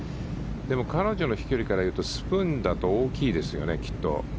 彼女の飛距離からいうとスプーンだと大きいですよね、きっと。